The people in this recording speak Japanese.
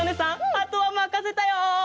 あとはまかせたよ！